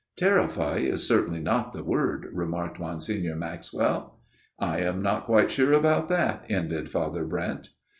"' Terrify ' is certainly not the word," remarked Monsignor Maxwell. " I am not quite sure about that," ended Father Brent.